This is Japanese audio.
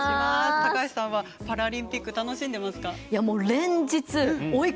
高橋さんはパラリンピック楽しんでますか？